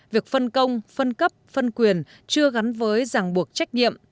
việc phân công phân cấp phân quyền chưa gắn với giảng buộc trách nhiệm